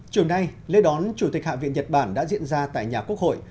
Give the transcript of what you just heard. trường này lễ đón chủ tịch hạ viện nhật bản đã diễn ra tại nhà quốc hội